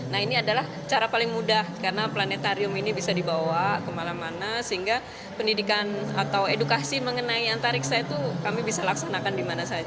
nah ini adalah cara paling mudah karena planetarium ini bisa dibawa kemana mana sehingga pendidikan atau edukasi mengenai antariksa itu kami bisa laksanakan di mana saja